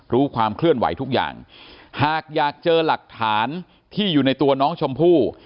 รู้ความเคลื่อนไหวทุกอย่างหากอยากเจอหลักฐานที่อยู่ในตัวน้องชมพู่